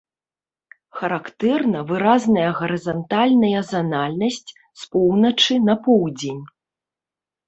Характэрна выразная гарызантальная занальнасць з поўначы на поўдзень.